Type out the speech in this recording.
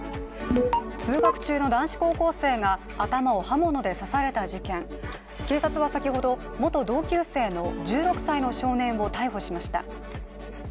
通学中の男子高校生が頭を刃物で刺された事件警察は先ほど、元同級生の１６歳の少年を逮捕しました。